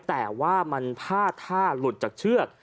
แต่ว่ามันพลาดท่าหลุดจากเชือก